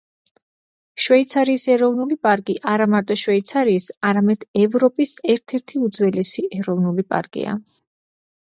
შვეიცარიის ეროვნული პარკი არა მარტო შვეიცარიის, არამედ ევროპის ერთ-ერთი უძველესი ეროვნული პარკია.